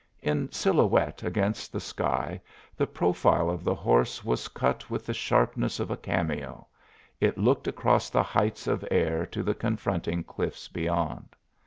In silhouette against the sky the profile of the horse was cut with the sharpness of a cameo; it looked across the heights of air to the confronting cliffs beyond.